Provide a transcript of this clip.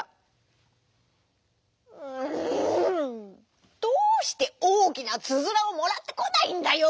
「ううんどうしておおきなつづらをもらってこないんだよ！